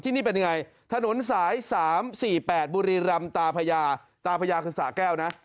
นี่เป็นยังไงถนนสาย๓๔๘บุรีรำตาพญาตาพญาคือสาแก้วนะ